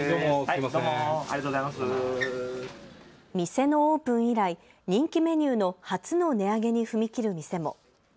店のオープン以来、人気メニューの初の値上げに踏み切る店も。